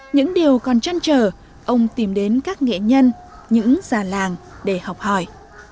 những điều còn chăn trở ông tìm đến các nghệ nhân những già làng để học hỏi